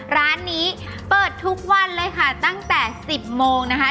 ร้านนี้เปิดทุกวันเลยค่ะตั้งแต่๑๐โมงนะคะ